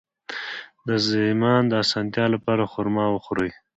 د زایمان د اسانتیا لپاره خرما وخورئ